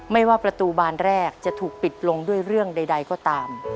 ไม่ว่าประตูบานแรกจะถูกปิดลงด้วยเรื่องใดก็ตาม